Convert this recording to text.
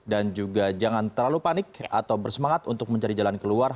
dan juga jangan terlalu panik atau bersemangat untuk mencari jalan keluar